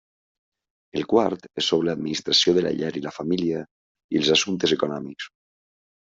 El quart és sobre l'administració de la llar i la família, i els assumptes econòmics.